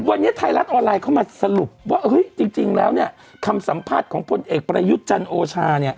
วันนี้ไทยรัฐออนไลน์เข้ามาสรุปว่าจริงแล้วคำสัมภาษณ์ของผู้เอกประยุจรรย์โอชา